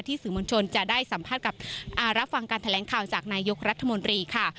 สื่อมวลชนจะได้สัมภาษณ์กับรับฟังการแถลงข่าวจากนายกรัฐมนตรีค่ะ